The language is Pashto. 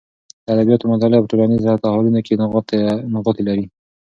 د ادبیاتو مطالعه په ټولنیز تحولونو کې نغوتې لري.